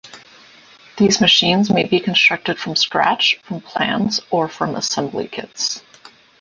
These machines may be constructed "from scratch", from plans, or from assembly kits.